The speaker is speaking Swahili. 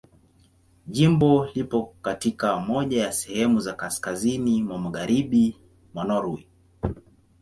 Jimbo lipo katika moja ya sehemu za kaskazini mwa Magharibi mwa Norwei.